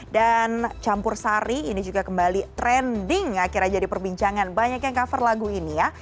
dan campur sari ini juga kembali trending akhirnya jadi perbincangan banyak yang cover lagu ini ya